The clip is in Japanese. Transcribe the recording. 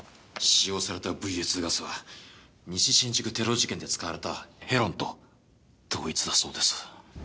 使用されたＶＡ２ガスは西新宿テロ事件で使われたヘロンと同一だそうです。